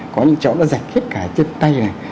có những cháu đã rạch hết cả chân tay này